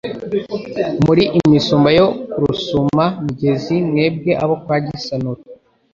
Muri imisumba yo ku Rusuma-migezi, Mwebwe abo kwa Gisanura